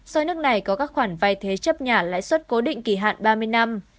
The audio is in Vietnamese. so với nước này có các khoản vai thế chấp nhà lãi suất cố định kỳ hạn ba mươi năm